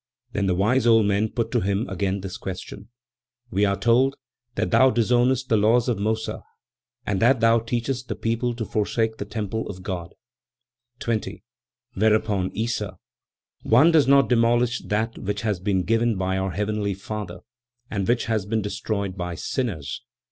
Then the wise old men put to him again this question: "We are told that thou disownest the laws of Mossa, and that thou teachest the people to forsake the temple of God?" 20. Whereupon Issa: "One does not demolish that which has been given by our Heavenly Father, and which has been destroyed by sinners.